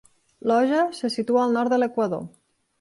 Loja se situa al nord de l'Equador.